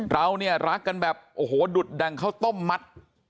เราเนี่ยรักกันแบบโอ้โหดุดดั่งข้าวต้มมัด